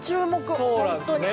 あっそうなんですね。